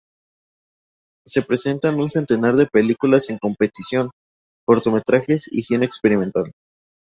Se presentan un centenar de películas en competición, cortometrajes y cine experimental.